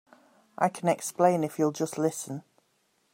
I can explain if you'll just listen.